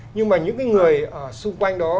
nhưng mà những người xung quanh đó